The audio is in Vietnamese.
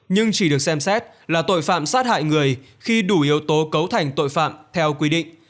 nhưng chỉ được xem xét là tội phạm sát hại người khi đủ yếu tố cấu thành tội phạm theo quy định